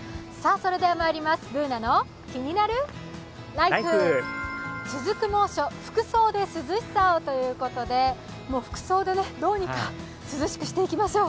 「ＢｏｏｎａのキニナルＬＩＦＥ」続く猛暑、服装で涼しさをということで、服装でどうにか涼しくしていきましょう。